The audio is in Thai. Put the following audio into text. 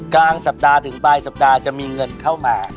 กลางสัปดาห์ถึงปลายสัปดาห์จะมีเงินเข้ามา